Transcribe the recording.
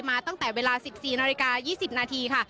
ตั้งแต่เวลา๑๔นาฬิกา๒๐นาทีค่ะ